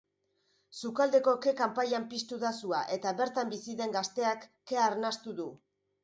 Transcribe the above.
Sukaldeko ke-kanpaian piztu da sua eta bertan bizi den gazteak kea arnastu du.